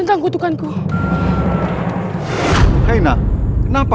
kan sekurang kurangnya s pits